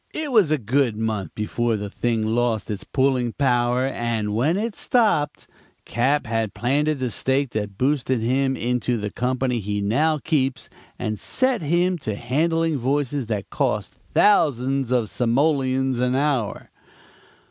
It was a good month before the thing lost its pulling power, and when it stopped Cap. had planted the stake that boosted him into the company he now keeps and set him to handling voices that cost thousands of simoleons an hour.